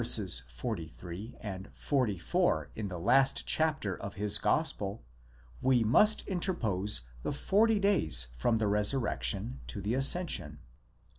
43 and 44 in the last chapter of his gospel we must interpose the forty days from the resurrection to the ascension.